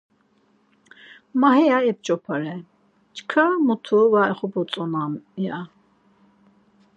Ma heya ep̌ç̌opaye, çkva mutu var oxobotzonam' ya.